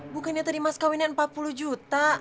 bukannya tadi mas kawin yang empat puluh juta